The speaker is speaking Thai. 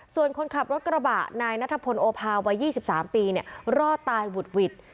ส่วนคนขับรถกระบะนายนัตภพนโอพาวะ๒๓ปีเนี่ยรอดตายบุด